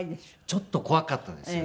ちょっと怖かったんですよね。